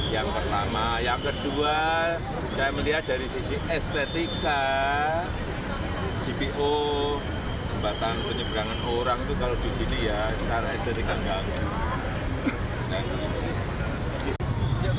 yang pertama yang kedua saya melihat dari sisi estetika gpo jembatan penyeberangan orang itu kalau di sini ya secara estetikan kami